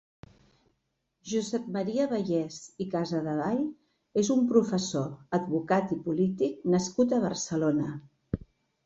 Josep Maria Vallès i Casadevall és un professor, advocat i polític nascut a Barcelona.